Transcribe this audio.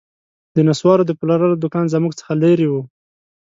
د نسوارو د پلورلو دوکان زموږ څخه لیري و